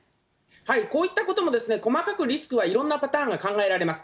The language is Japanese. こういったことも、細かくリスクはいろんなパターンが考えられます。